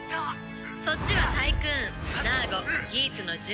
「そっちはタイクーンナーゴギーツの順に」